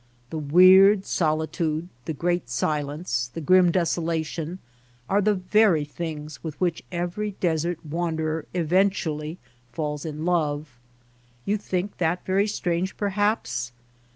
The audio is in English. The weird solitude, the great silence, the grim desolation, are the very things with which every desert wanderer eventually falls in love. You think that very strange perhaps